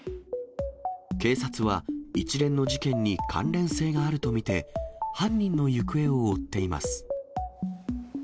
警察は、一連の事件に関連性があると見て、犯人の行方を追っています。